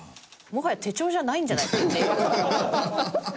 もはや手帳じゃないんじゃないかっていう。